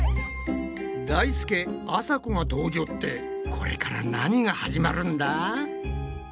だいすけあさこが登場ってこれから何が始まるんだ？